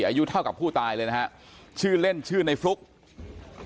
อายุเท่ากับผู้ตายเลยนะฮะชื่อเล่นชื่อในฟลุ๊ก